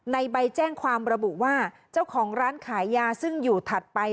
ในใบแจ้งความระบุว่าเจ้าของร้านขายยาซึ่งอยู่ถัดไป